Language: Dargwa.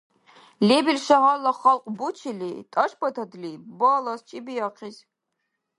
– Лебил шагьарла халкь бучили, тӀашбатадли, балас, чебиахъис.